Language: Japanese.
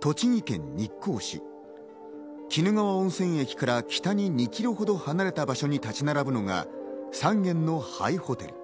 栃木県日光市、鬼怒川温泉駅から北に２キロほど離れた場所に立ち並ぶのが３軒の廃ホテル。